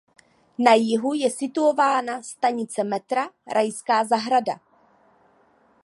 Na jihu je situována stanice metra Rajská zahrada.